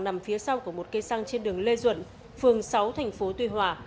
nằm phía sau của một cây xăng trên đường lê duẩn phường sáu thành phố tuy hòa